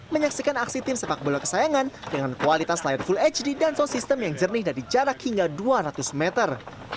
menyaksikan aksi tim sepak bola kesayangan dengan kualitas layar full hd dan sound system yang jernih dari jarak hingga dua ratus meter